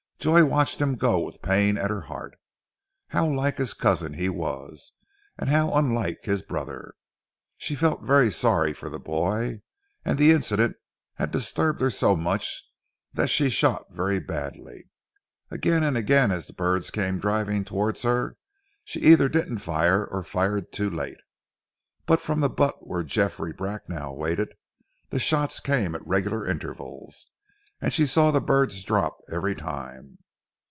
Joy watched him go with pain at her heart. How like his cousin he was, and how unlike his brother! She felt very sorry for the boy, and the incident had disturbed her so much that she shot very badly. Again and again as the birds came driving towards her she either didn't fire or fired too late, but from the butt where Geoffrey Bracknell waited, the shots came at regular intervals, and she saw the birds drop every time.